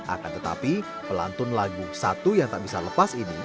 akan tetapi pelantun lagu satu yang tak bisa lepas ini